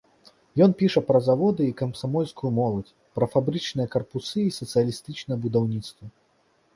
Ён піша пра заводы і камсамольскую моладзь, пра фабрычныя карпусы і сацыялістычнае будаўніцтва.